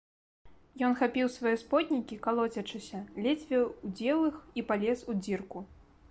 Ён хапіў свае споднікі, калоцячыся, ледзьве ўздзеў іх і палез у дзірку.